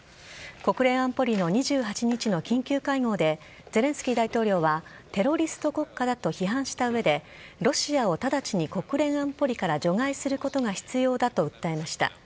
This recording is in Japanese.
国連安保理の２８日の緊急会合でゼレンスキー大統領はテロリスト国家だと批判した上でロシアを直ちに国連安保理から除外することが必要だと訴えました。